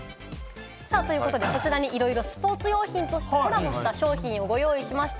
こちらにいろいろスポーツ用品とコラボした商品をご用意しました。